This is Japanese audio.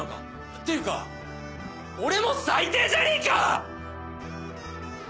っていうか俺も最低じゃねえか！